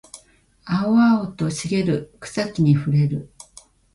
青々と茂る草木に触れる